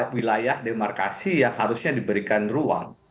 wilayah demarkasi yang harusnya diberikan ruang